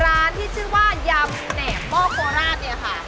ร้านที่ชื่อว่ายำแหนบหม้อโคราชเนี่ยค่ะ